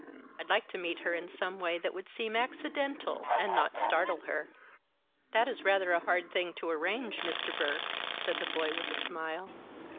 "I'd like to meet her in some way that would seem accidental, and not startle her." "That is rather a hard thing to arrange, Mr. Burke," said the boy, with a smile.